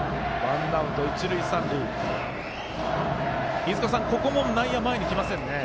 飯塚さん、内野が前に来ませんね。